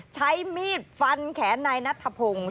ใช้มีดฟันแขนนายนัทธพงศ์